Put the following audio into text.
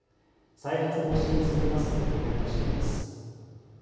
再発防止に努めますとコメントしています。